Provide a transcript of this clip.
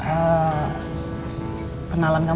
tapi gak ada uang tuh